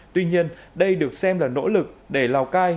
tuy nhiên đây được xem là nỗ lực để lào cai